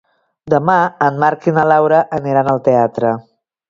Demà en Marc i na Laura aniran al teatre.